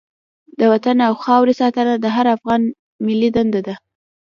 د وطن او خاورې ساتنه د هر افغان ملي دنده ده.